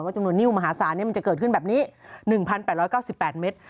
จำนวนนิ้วมหาศาลมันจะเกิดขึ้นแบบนี้๑๘๙๘เมตร